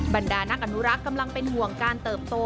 บรรดานักอนุรักษ์กำลังเป็นห่วงการเติบโต